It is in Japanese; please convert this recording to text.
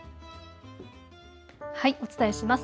お伝えします。